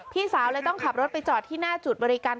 พี่สาวเลยต้องขับรถไปจอดที่หน้าจุดบริการ